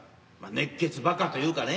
熱血ばかというかね。